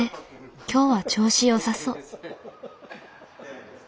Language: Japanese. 今日は調子よさそう。